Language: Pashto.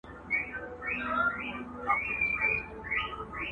قلا د مېړنو ده څوک به ځي څوک به راځي.!